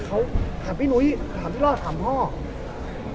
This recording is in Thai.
เขาถามพี่นุ้ยถามพี่รอดถามพ่อ